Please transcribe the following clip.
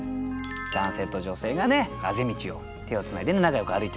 男性と女性があぜ道を手をつないで仲よく歩いてる感じ。